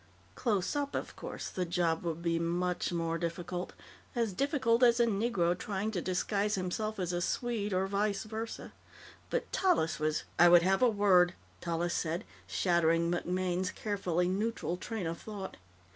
Close up, of course, the job would be much more difficult as difficult as a Negro trying to disguise himself as a Swede or _vice versa__. But Tallis was "I would have a word," Tallis said, shattering MacMaine's carefully neutral train of thought.